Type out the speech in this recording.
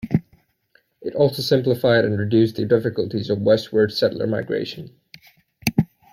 It also simplified and reduced the difficulties of westward settler migration.